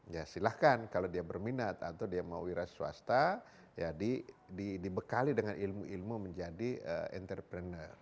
ya silahkan kalau dia berminat atau dia mau wira swasta ya dibekali dengan ilmu ilmu menjadi entrepreneur